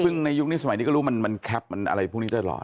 ซึ่งในยุคนี้สมัยนี้ก็รู้ว่ามันแอปอะไรพวกนี้ได้แล้ว